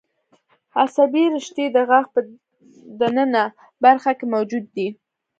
عصبي رشتې د غاښ په د ننه برخه کې موجود دي.